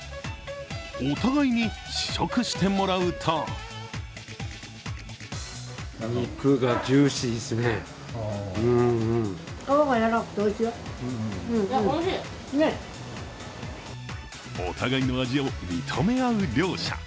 お互いに試食してもらうとお互いの味を認め合う両者。